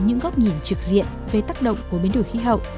những góc nhìn trực diện về tác động của biến đổi khí hậu